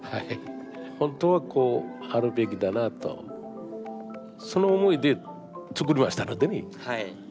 本当はこうあるべきだなとその思いで作りましたのでね。